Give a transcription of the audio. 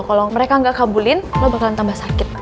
kalo mereka gak kabulin lo bakalan tambah sakit